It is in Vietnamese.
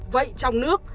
vậy trong nước